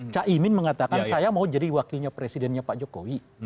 cak emin mengatakan saya mau jadi wakil presidennya pak jokowi